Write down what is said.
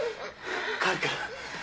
帰るから。